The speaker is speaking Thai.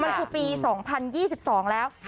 มันคือปี๒๐๒๒แล้ว